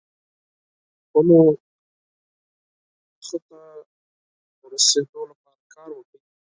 خپلو موخو ته رسیدو لپاره کار وکړئ.